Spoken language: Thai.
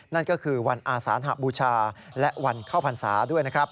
นั่นก็คือวันอาสานหบูชาและวันเข้าพรรษาด้วยนะครับ